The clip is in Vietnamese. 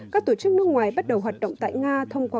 các tổ chức nước ngoài bắt đầu hoạt động tại nga thông qua